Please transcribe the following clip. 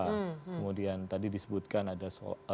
kemudian tadi disebutkan ada soal